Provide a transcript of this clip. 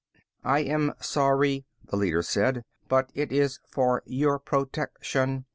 "I am sorry," the leader said, "but it is for your protection.